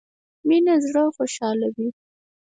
مينه زړه خوشحالوي